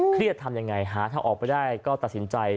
เครียดทำยังไงฮะถ้าออกไปได้ก็ตัดสินใจ